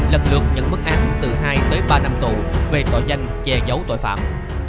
lần lượt nhận mức án từ hai tới ba năm tù về tội danh che giấu tội phạm